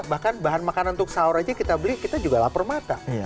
bahkan bahan makanan untuk sahur aja kita beli kita juga lapar mata